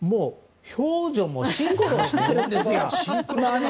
表情もシンクロしているんですよ。